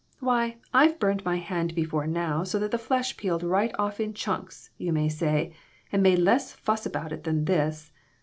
Why, I've burned my hand before now so that the flesh peeled right off in chunks, you may say, and made less fuss about it than this.